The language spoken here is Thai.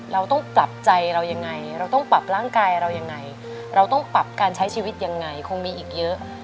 เราต้องปรับใจเรายังไงเราต้องปรับร่างกายเรายังไงเราต้องปรับการใช้ชีวิตยังไงคงมีอีกเยอะ